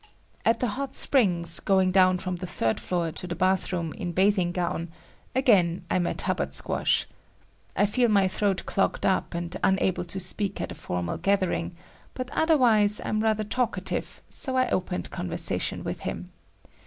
At the hot springs, going down from the third floor to the bath room in bathing gown, again I met Hubbard Squash. I feel my throat clogged up and unable to speak at a formal gathering, but otherwise I am rather talkative; so I opened conversation with him.